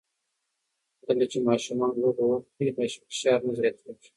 کله چې ماشومان لوبه وکړي، فشار نه زیاتېږي.